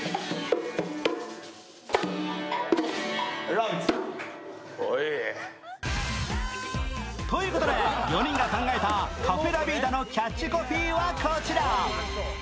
「ラヴィット！」ということで、４人が考えたカフェラヴィーダのキャッチコピーはこちら。